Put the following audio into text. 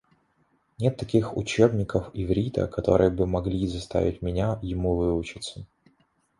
Нет таких учебников иврита, которые бы могли заставить меня ему выучиться.